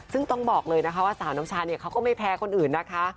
ซึ่งต้องบอกเลยนะคะว่าสาวน้ำชาเนี่ยเขาก็ไม่แพ้คนอื่นนะคะ